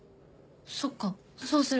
そっかそうする。